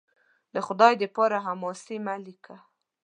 د خدای دپاره! حماسې مه لیکه